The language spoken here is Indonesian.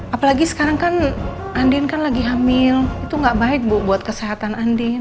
apalagi sekarang kan andin kan lagi hamil itu gak baik bu buat kesehatan andin